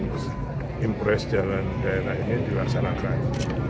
impress jalan daerah ini dilaksanakan